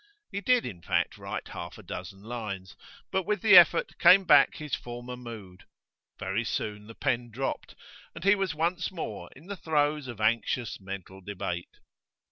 He did in fact write half a dozen lines, but with the effort came back his former mood. Very soon the pen dropped, and he was once more in the throes of anxious mental debate.